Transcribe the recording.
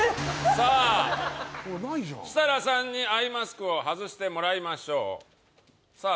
さあないじゃん設楽さんにアイマスクを外してもらいましょうさあ